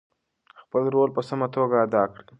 خپل رول په سمه توګه ادا کړئ.